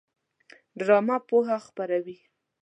ډرامه پوهه خپروي